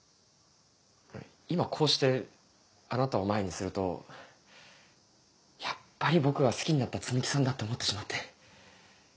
今こうしてあなたを前にするとやっぱり僕が好きになった摘木さんだって思ってしまって。